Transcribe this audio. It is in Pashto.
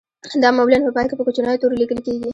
دا معمولاً په پای کې په کوچنیو تورو لیکل کیږي